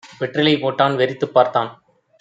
வெற்றிலை போட்டான். வெறித்துப் பார்த்தான்.